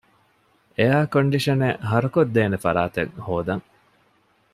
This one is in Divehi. އެއަރ ކޮންޑިޝަނެއް ހަރުކޮށްދޭނެ ފަރާތެއް ހޯދަން